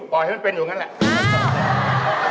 ปล่อยให้มันเป็นอยู่อย่างนั้นแหละ